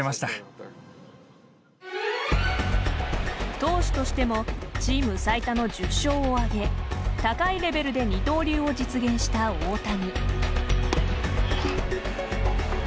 投手としてもチーム最多の１０勝を挙げ高いレベルで二刀流を実現した大谷。